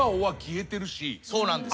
そうなんです。